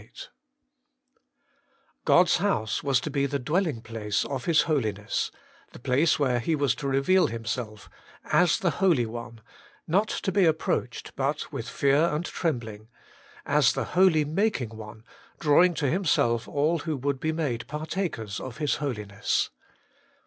aOD'S house was to be the dwelling place of His Holiness, the place where He was to reveal Himself; as the Holy One, not to be approached but with fear and trembling ; as the Holy making One, drawing to Himself all who would be made par takers of His Holiness.